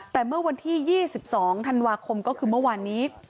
แต่เมื่อวันที่๒๒ธันวาคมก็คือเมื่อวานนี้